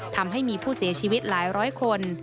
ทำให้มีผู้เสียชีวิตหลายร้อยคน